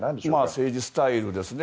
政治スタイルですね。